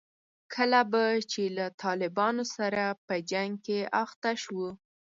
کله به چې له طالبانو سره په جنګ کې اخته شوو.